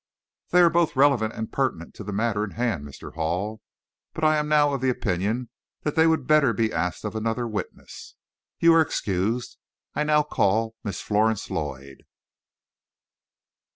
"They are both relevant and pertinent to the matter in hand, Mr. Hall; but I am now of the opinion that they would better be asked of another witness. You are excused. I now call Miss Florence Lloyd."